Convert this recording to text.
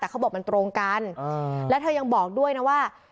แต่เขาบอกมันตรงกันแล้วเธอยังบอกด้วยนะว่า